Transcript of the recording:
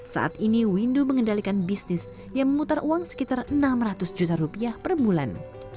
saat ini windu mengendalikan bisnis yang memutar uang sekitar enam ratus juta rupiah per bulan